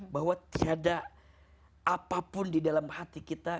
bahwa tiada apapun di dalam hati kita